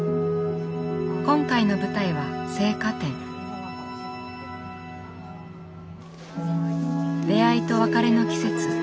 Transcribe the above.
今回の舞台は出会いと別れの季節